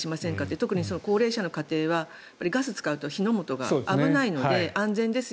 特に高齢者の家庭はガスを使うと火の元が危ないので安全ですよ